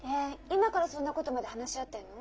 今からそんなことまで話し合ってるの？